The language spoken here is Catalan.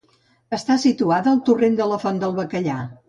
Està situada al torrent de la font del Bacallà.